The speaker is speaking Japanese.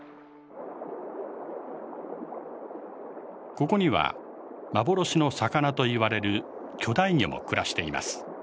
ここには幻の魚と言われる巨大魚も暮らしています。